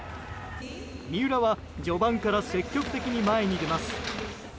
三浦は序盤から積極的に前に出ます。